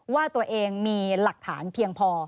ว่าตัวเองมีหลักฐานเพียงพอ